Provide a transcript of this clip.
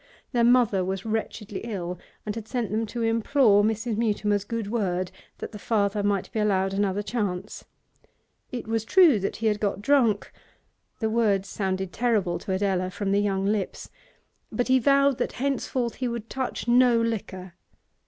Their mother was wretchedly ill and had sent them to implore Mrs. Mutimer's good word that the father might be allowed another chance. It was true he had got drunk the words sounded terrible to Adela from the young lips but he vowed that henceforth he would touch no liquor.